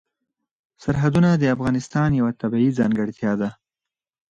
سرحدونه د افغانستان یوه طبیعي ځانګړتیا ده.